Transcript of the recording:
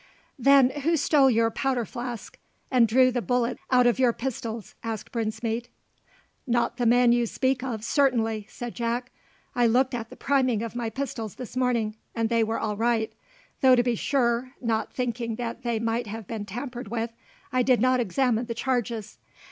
"Then who stole your powder flask, and drew the bullets out of your pistols?" asked Brinsmead. "Not the man you speak of, certainly," said Jack. "I looked at the priming of my pistols this morning, and they were all right, though to be sure, not thinking that they might have been tampered with, I did not examine the charges.